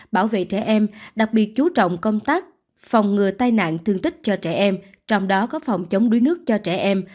bảo vệ trẻ em đặc biệt chú trọng công tác phòng ngừa tai nạn thương tích cho trẻ em trong đó có phòng chống đuối nước cho trẻ em